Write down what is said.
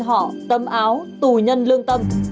cho nên họ tâm áo tù nhân lương tâm